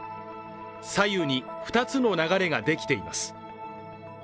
左右に２つの流れができています。